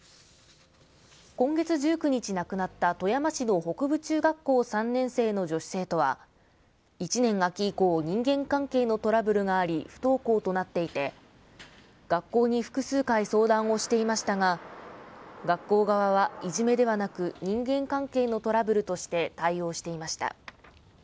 今月１９日亡くなった富山市の北部中学校３年生の女子生徒は、１年秋以降、人間関係のトラブルがあり、不登校となっていて、学校に複数回相談をしていましたが、学校側はいじめではなく、人間関係のトラブルとして対応していました。